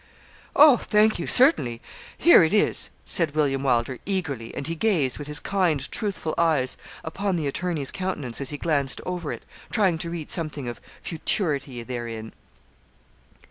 'Oh, thank you, certainly; here it is,' said William Wylder, eagerly, and he gazed with his kind, truthful eyes upon the attorney's countenance as he glanced over it, trying to read something of futurity therein.